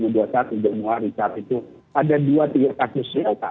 januari saat itu ada dua tiga kasusnya